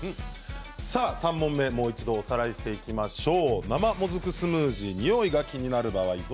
３問目、もう一度おさらいしていきましょう。